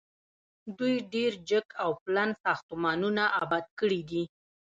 دوی ډیر جګ او پلن ساختمانونه اباد کړي دي.